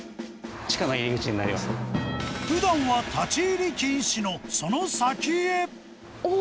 ふだんは立ち入り禁止のその先へ。